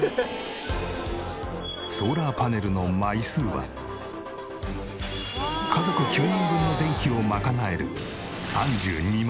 ソーラーパネルの枚数は家族９人分の電気を賄える。